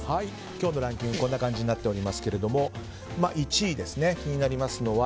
今日のランキングこんな感じになっていますが１位ですね、気になりますのは